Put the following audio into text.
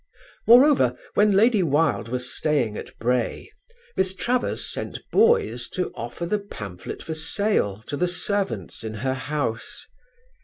Moreover, when Lady Wilde was staying at Bray, Miss Travers sent boys to offer the pamphlet for sale to the servants in her house.